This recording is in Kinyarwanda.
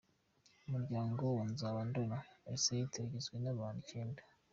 Umuryango wa Nzabandora Isaie ugizwe n’abantu icyenda.